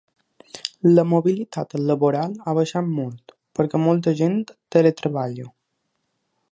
La mobilitat laboral ha baixat molt, perquè molta gent teletreballa.